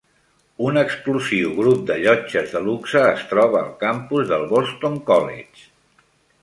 Un exclusiu grup de llotges de luxe es troba al campus del Boston College.